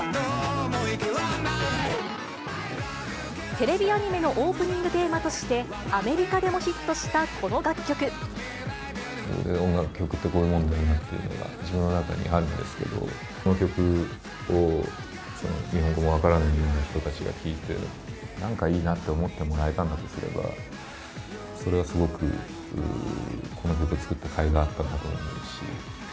テレビアニメのオープニングテーマとして、アメリカでもヒットし音楽、曲ってこういうもんだなっていうのが、自分の中にあるんですけど、この曲を日本語も分からないような人たちが聴いて、なんかいいなって思ってもらえたんだとすれば、それはすごくこの曲を作ったかいがあったなと思うし。